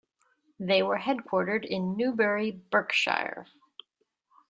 They were headquartered in Newbury, Berkshire.